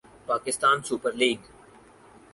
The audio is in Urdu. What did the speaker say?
Pakistan super league